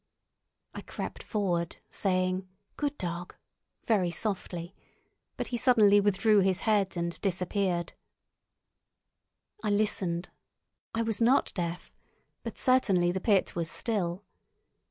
I crept forward, saying "Good dog!" very softly; but he suddenly withdrew his head and disappeared. I listened—I was not deaf—but certainly the pit was still.